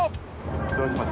どうします？